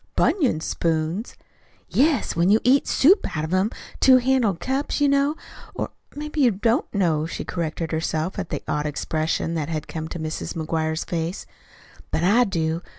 "BUNION spoons!" "Yes when you eat soup out of them two handled cups, you know. Or maybe you don't know," she corrected herself, at the odd expression that had come to Mrs. McGuire's face. "But I do.